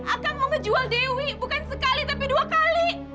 akang mau ngejual dewi bukan sekali tapi dua kali